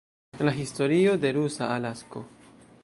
La historio de rusa Alasko.